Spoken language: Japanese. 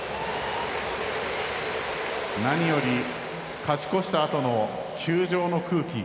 何より勝ち越したあとの球場の空気。